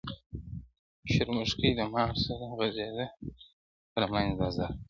شرمښکۍ د مار سره غځېده، پر منځ دوه ځايه سوه.